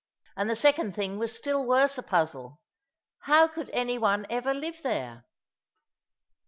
And the second thing was still worse a puzzle: how could any one ever live there?